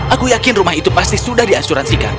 aku yakin rumah itu pasti sudah diasuransikan